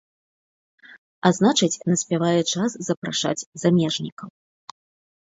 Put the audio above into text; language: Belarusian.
А значыць, наспявае час запрашаць замежнікаў.